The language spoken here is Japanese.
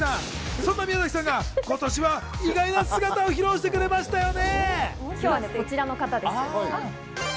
そんな宮崎さんが今年は意外な姿を披露してくれましたよね。